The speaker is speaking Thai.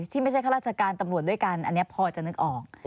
ที่ไม่ใช่ข้าราชการตำรวจด้วยกันอันนี้พอจะนึกออก